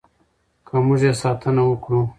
که موږ یې ساتنه وکړو.